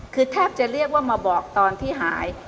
คือแทบจะเรียกว่ามาบอกตอนที่หาย